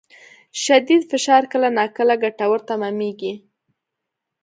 شدید فشار کله ناکله ګټور تمامېږي.